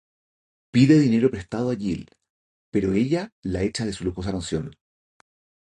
Pide dinero prestado a Jill, pero ella la echa de su lujosa mansión.